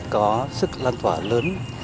có sức lan tỏa lớn